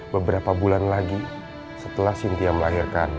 beberapa bulan lagi setelah cynthia melahirkan